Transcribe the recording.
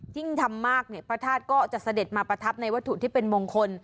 ยิ่งทำมากเนี่ยพระธาตุก็จะเสด็จมาประทับในวัตถุที่เป็นมงคล